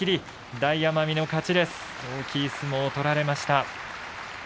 大きい相撲を取られました。